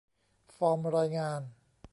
ฟอร์มรายงาน